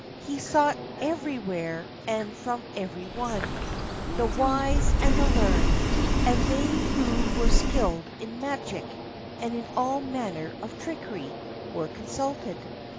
He sought everywhere and from every one. The wise and learned, and they who were skilled in magic and in all manner of trickery, were consulted.